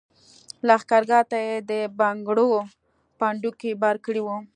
لښګرګاه ته یې د بنګړو پنډوکي بار کړي وو.